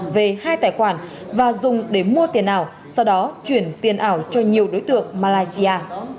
về hai tài khoản và dùng để mua tiền ảo sau đó chuyển tiền ảo cho nhiều đối tượng malaysia